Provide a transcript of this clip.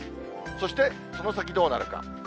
そしてその先どうなるか。